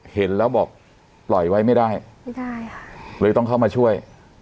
เห็นแล้วบอกปล่อยไว้ไม่ได้ไม่ได้ค่ะเลยต้องเข้ามาช่วย